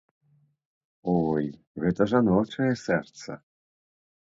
Ой, гэта жаночае сэрца!